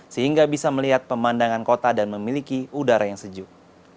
sehingga bisa melihat pemandangan kota dan memiliki udara yang sejuk